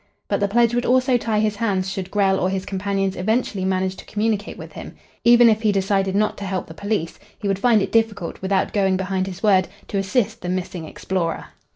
But the pledge would also tie his hands should Grell or his companions eventually manage to communicate with him. Even if he decided not to help the police, he would find it difficult, without going behind his word, to assist the missing explorer.